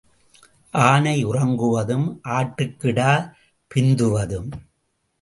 ஆனை உறங்குவதும் ஆட்டுக்கிடா பிந்துவதும்.